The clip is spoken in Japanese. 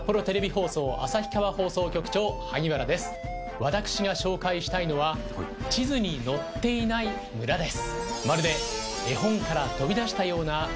私が紹介したいのは地図に載っていない村です。